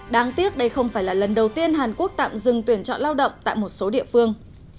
đáng tiếc đây không phải là lần đầu tiên hàn quốc tạm dừng tuyển chọn lao động tại một số địa phương